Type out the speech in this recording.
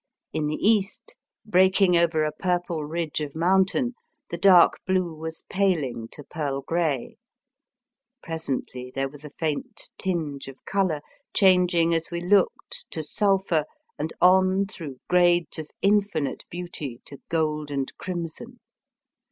In the east, breaking over a purple ridge of moun tain, the dark blue was paling to pearl grey. Presently there was a faint tinge of colour, changing as we looked to sulphur, and on through grades of infinite beauty to gold and crimson.